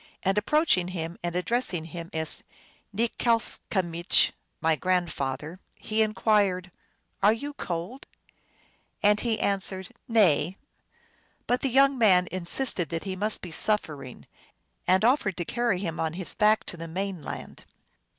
And approaching him and addressing him as Nikslcamich, " My grand father," he inquired, " are you cold !" And he answered, "Nay;" but the young man insisted that he must be suffering, arid offered to carry him on his back to the main land.